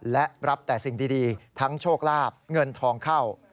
และรับแต่สิ่งดีทั้งโชคลาบเงินทองเข้า